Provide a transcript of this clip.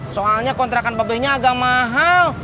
soalnya kontrakan babinya agak mahal